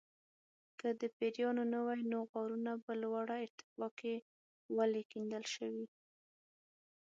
که د پیریانو نه وي نو غارونه په لوړه ارتفاع کې ولې کیندل شوي.